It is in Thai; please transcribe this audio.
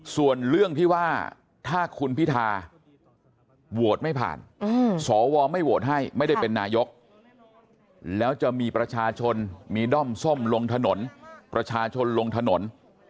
ส่วนเรื่องที่ว่าถ้าคุณพิธาโหวตไม่ผ่านสวไม่โหวตให้ไม่ได้เป็นนายกแล้วจะมีประชาชนมีด้อมส้มลงถนนประชาชนลงถนน